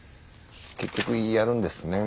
結局やるんですね